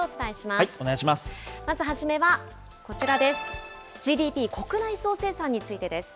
まず初めはこちらです。